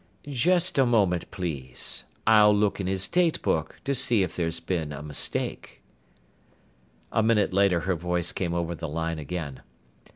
"Just a moment, please. I'll look in his date book to see if there's been a mistake." A minute later her voice came over the line again.